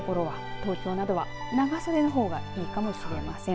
東京などは長袖のほうがいいかもしれません。